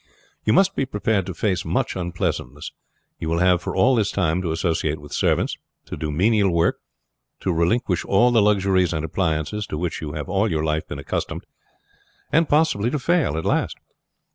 You must be prepared to face much unpleasantness. You will have for all this time to associate with servants, to do menial work, to relinquish all the luxuries and appliances to which you have all your life been accustomed, and possibly to fail at last.